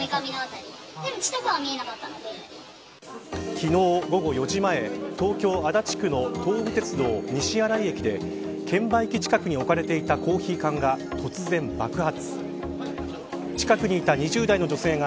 昨日、午後４時前東京、足立区の東武鉄道西新井駅で券売機近くに置かれていたコーヒー缶が突然、爆発。